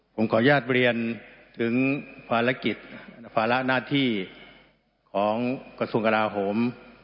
ผมขออนุญาตเรียนถึงภารกิจภาระหน้าที่ของกระทรวงกราโหม